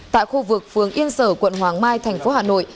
tại khu vực phường yên sở quận hoàng mai thành phố hà nội